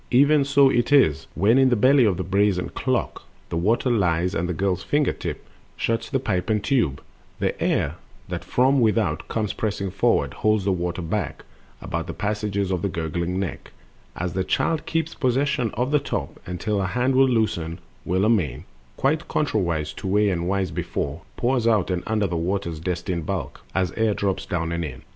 Even so it is, When in the belly of the brazen clock The water lies, and the girl's finger tip Shuts pipe and tube: the air, that from without Comes pressing inward, holds the water back About the gateways of the gurgling neck, As the child keeps possession of the top, Until her hand will loosen, when amain— Quite contrariwise to way and wise before— Pours out and under the water's destined bulk, As air drops down and in.